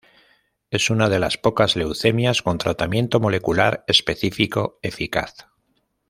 Es una de las pocas leucemias con tratamiento molecular específico eficaz.